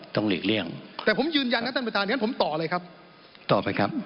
หลีกเลี่ยงแต่ผมยืนยันนะท่านประธานอย่างนั้นผมต่อเลยครับต่อไปครับ